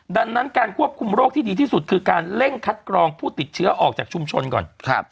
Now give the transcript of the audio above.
ดังนั้นการควบคุมโรคที่ดีที่สุดคือการเร่งคัดกรองผู้ติดเชื้อออกจากชุมชนก่อน